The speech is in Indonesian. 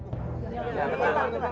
jangan pak jarko